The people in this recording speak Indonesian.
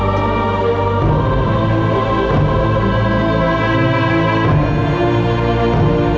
aku ingin tahu ibu